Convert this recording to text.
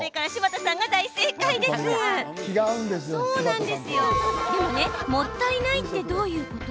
でも、もったいないってどういうこと？